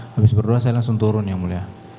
habis berdua saya langsung turun yang mulia